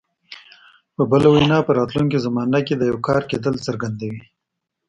په بله وینا په راتلونکي زمانه کې د یو کار کېدل څرګندوي.